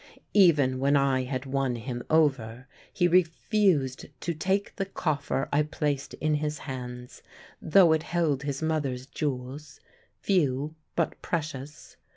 Even when I had won him over, he refused to take the coffer I placed in his hands, though it held his mother's jewels, few but precious.